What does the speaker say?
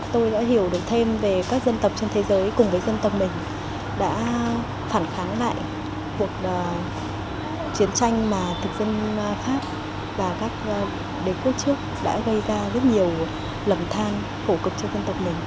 tôi đã hiểu được thêm về các dân tộc trên thế giới cùng với dân tộc mình đã phản kháng lại cuộc chiến tranh mà thực dân pháp và các đế quốc trước đã gây ra rất nhiều lầm thang khổ cực cho dân tộc mình